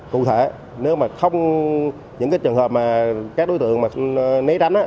cụ thể nếu mà không những trường hợp mà các đối tượng nấy tránh